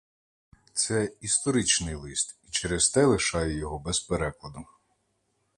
Це — історичний лист і через те лишаю його без перекладу.